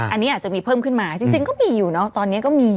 อันนี้อาจจะมีเพิ่มขึ้นมาจริงก็มีอยู่เนอะตอนนี้ก็มี